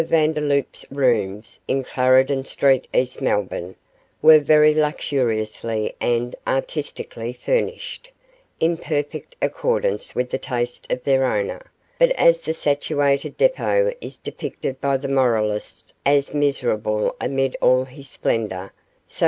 Vandeloup's rooms in Clarendon Street, East Melbourne, were very luxuriously and artistically furnished, in perfect accordance with the taste of their owner, but as the satiated despot is depicted by the moralists as miserable amid all his splendour, so M.